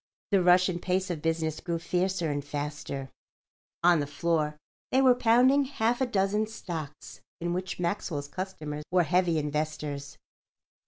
The rush and pace of business grew fiercer and faster. On the floor they were pounding half a dozen stocks in which Maxwell's customers were heavy investors.